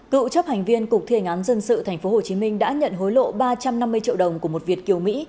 cựu chấp hành viên cục thi hành án dân sự tp hcm đã nhận hối lộ ba trăm năm mươi triệu đồng của một việt kiều mỹ